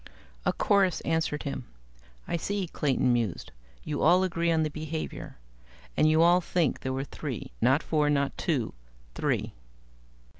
A chorus answered him. "I see," Clayton mused. "You all agree on the behavior. And you all think there were three not four not two. Three?"